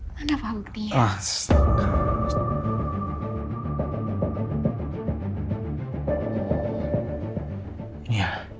mana pak buktinya